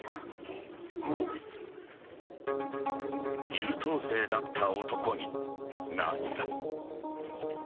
優等生だった男に何が。